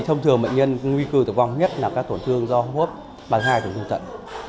thông thường bệnh nhân nguy cư tử vong nhất là các tổn thương do hô hấp ba mươi hai tổn thương tận